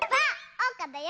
おうかだよ！